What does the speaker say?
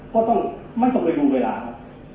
ก็ต้องไม่ต้องไปดูเวลาครับ